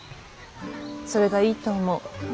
それがいいと思う。